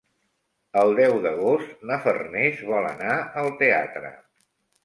El deu d'agost na Farners vol anar al teatre.